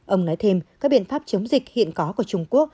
ông nói thêm các biện pháp chống dịch hiện có của trung quốc